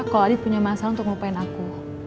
kalau adi punya masalah untuk ngelupain aku